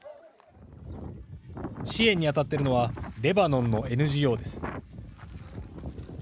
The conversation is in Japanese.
支援に当たっているのはレバノンのＮＧＯです。